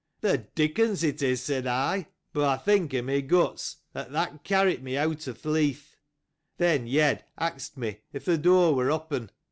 The Dickens it is, said I. But I think in my heart that tJial carried me out o' th' barn. Then, Yed asked me, if the door was open.